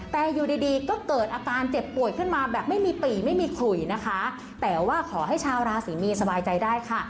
แต่อยู่ดีดีก็เกิดอาการเจ็บป่วยขึ้นมาแบบไม่มีปีไม่มีขุยนะคะแต่ว่าขอให้ชาวราศรีมีนสบายใจได้ค่ะ